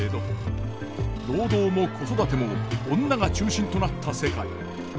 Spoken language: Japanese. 労働も子育ても女が中心となった世界。